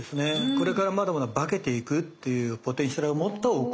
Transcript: これからまだまだ化けていくっていうポテンシャルを持ったお米。